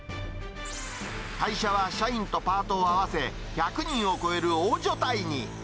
会社は社員とパートを合わせ、１００人を超える大所帯に。